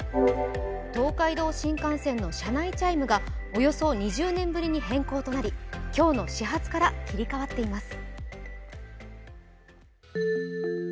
東海道新幹線の車内チャイムがおよそ２０年ぶりに変更となり今日の始発から切り替わっています。